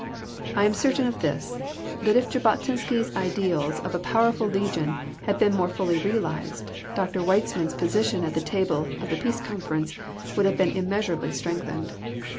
I am certain of this, that if Jabotinsky's ideals of a powerful legion had been more fully realised, Dr. Weizmann's position at the table of the Peace Conference would have been immeasurably strengthened.